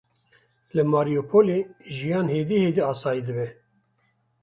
Li Mariupolê jiyan hêdî hêdî asayî dibe.